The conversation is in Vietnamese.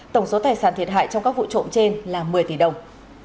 tổng số tài sản thiệt hại trong các vụ trộm trên là một mươi tỷ đồng